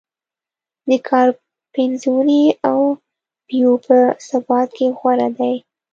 د کار پنځونې او بیو په ثبات کې غوره دی.